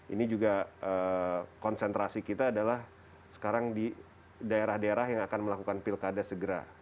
ini juga konsentrasi kita adalah sekarang di daerah daerah yang akan melakukan pilkada segera